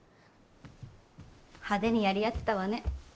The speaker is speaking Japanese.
派手にやり合ってたわね。